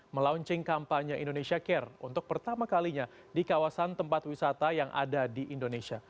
melaunching kampanye indonesia care untuk pertama kalinya di kawasan tempat wisata yang ada di indonesia